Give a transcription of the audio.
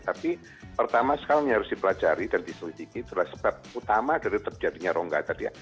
tapi pertama sekarang yang harus dipelajari dan diselidiki itu adalah sebab utama dari terjadinya rongga tadi ya